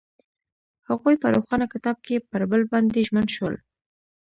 هغوی په روښانه کتاب کې پر بل باندې ژمن شول.